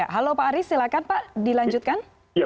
halo pak aris silakan pak dilanjutkan